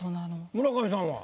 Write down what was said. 村上さんは？